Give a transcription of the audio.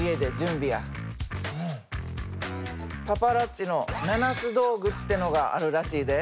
パパラッチの七つ道具ってのがあるらしいで。